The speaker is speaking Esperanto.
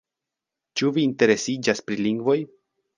Ĉu vi interesiĝas pri lingvoj?